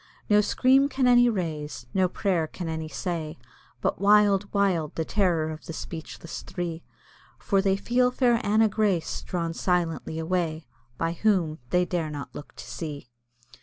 No scream can any raise, no prayer can any say, But wild, wild, the terror of the speechless three For they feel fair Anna Grace drawn silently away, By whom they dare not look to see.